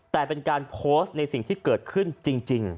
แต่เป็นการโพสต์ในสิ่งที่เกิดขึ้นจริง